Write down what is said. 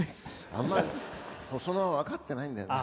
あんまりホソノは分かってないんだよな。